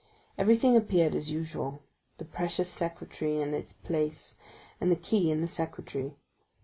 Everything appeared as usual—the precious secretaire in its place, and the key in the secretaire.